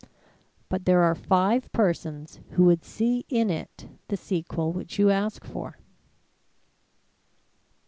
But there are five persons who would see in it the sequel which you ask for."